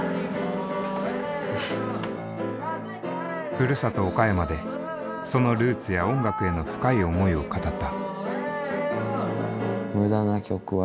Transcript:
ふるさと岡山でそのルーツや音楽への深い思いを語った。